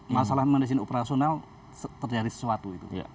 masalah manajemen operasional terjadi sesuatu itu